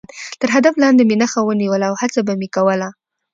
تر هدف لاندې به مې نښه ونیوله او هڅه به مې کوله.